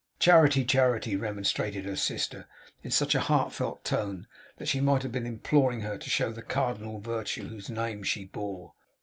'Charity! Charity!' remonstrated her sister, in such a heartfelt tone that she might have been imploring her to show the cardinal virtue whose name she bore.